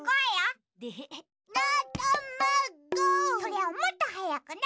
それをもっとはやくね。